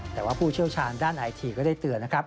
แต่ว่าผู้เชี่ยวชาญด้านไอทีก็ได้เตือนนะครับ